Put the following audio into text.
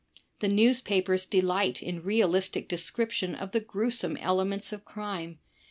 The newspapers delight in realistic description of the gruesome elements of crime.